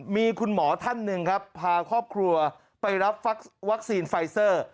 มีคุณหมอท่านหนึ่งครับพาครอบครัวไปรับวัคซีนไฟเซอร์